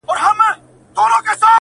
په نـفرت بـاندي څه جوړۀ ده سالِـکه